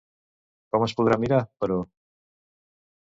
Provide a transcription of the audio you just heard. Com es podrà mirar, però?